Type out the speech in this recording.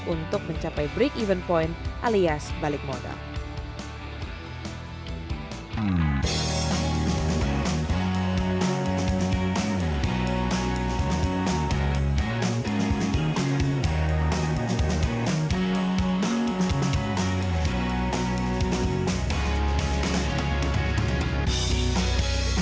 untuk mencapai break even point alias balik modal